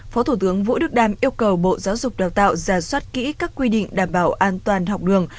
phó thủ tướng vũ đức đam yêu cầu bộ giáo dục đào tạo ra soát kỹ các quy định đảm bảo an toàn học đường